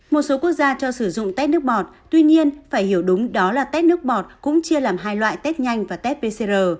một số quốc gia cho sử dụng tét nước bọt tuy nhiên phải hiểu đúng đó là tết nước bọt cũng chia làm hai loại test nhanh và tép pcr